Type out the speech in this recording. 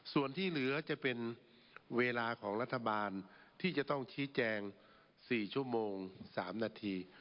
ส่วนที่เหลือจะเป็นเวลาของรัฐบาลที่จะต้องชี้แจง๔ชั่วโมง๓นาที